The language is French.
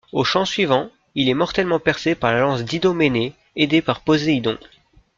Au chant suivant, il est mortellement percé par la lance d'Idoménée, aidé par Poséidon.